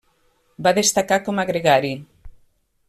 Va destacar com a gregari.